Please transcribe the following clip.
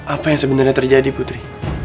apa yang sebenarnya terjadi putri